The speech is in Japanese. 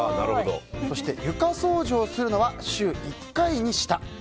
そして、床掃除をするのは週１回にした。